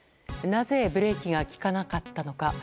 なぜブレーキが利かなかったのか。